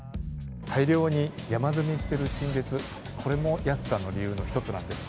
大量に山積みしてる陳列、これも安さの理由の一つなんです。